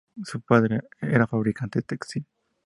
Su padre era fabricante textil.